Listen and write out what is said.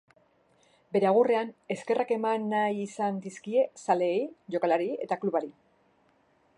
Bere agurrean eskerrak eman nahi zion dizkie zaleei, jokalariei eta klubari.